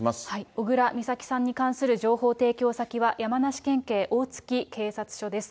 小倉美咲さんに関する情報提供先は山梨県警大月警察署です。